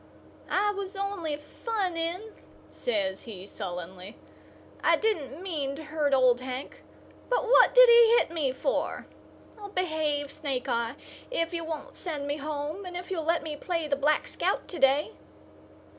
"I was only funning," says he sullenly. "I didn't mean to hurt Old Hank. But what did he hit me for? I'll behave, Snake eye, if you won't send me home, and if you'll let me play the Black Scout to day."